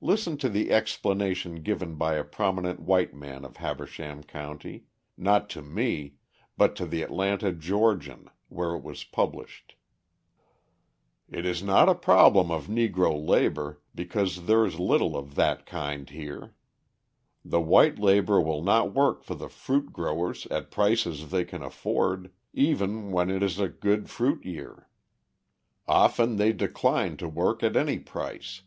Listen to the explanation given by a prominent white man of Habersham County not to me but to the Atlanta Georgian, where it was published: "It is not a problem of Negro labour, because there is little of that kind there. The white labour will not work for the fruit growers at prices they can afford, even when it is a good fruit year. Often they decline to work at any price.